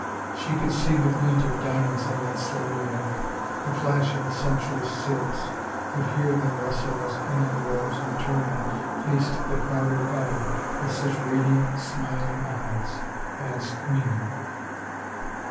She could see the glint of diamonds on that slender neck, the flash of the sumptuous silks, could hear them rustle as Anne rose and turning, faced the crowded Abbey with such radiant, smiling eyes — as queen!